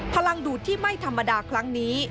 พลังดูดที่ไม่ธรรมดาครั้งนี้